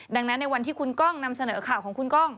ดังนั้นในวันที่คุณกล้องนำเสนอข่าวของคุณกล้อง